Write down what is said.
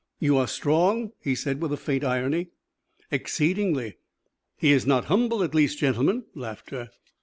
"You are strong?" he said with a faint irony. "Exceedingly." "He is not humble, at least, gentlemen." Laughter.